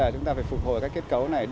chúng ta phải phục hồi các kết cấu này